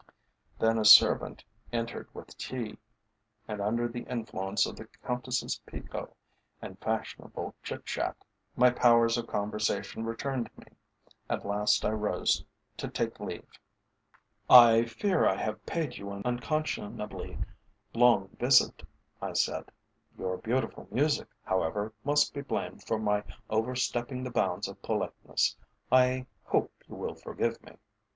Then a servant entered with tea, and under the influence of the Countess's Pekoe and fashionable chit chat my powers of conversation returned to me. At last I rose to take leave. "I fear I have paid you an unconscionably long visit," I said. "Your beautiful music, however, must be blamed for my over stepping the bounds of politeness. I hope you will forgive me?"